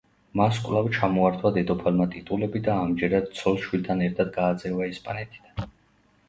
მას კვლავ ჩამოართვა დედოფალმა ტიტულები და ამჯერად ცოლ-შვილთან ერთად გააძევა ესპანეთიდან.